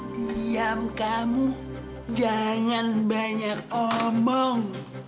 diam kamu jangan banyak omong